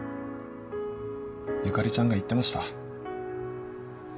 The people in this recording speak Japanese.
由香里ちゃんが言ってました。